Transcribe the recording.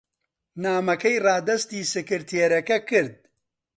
نامەکەی ڕادەستی سکرتێرەکە کرد.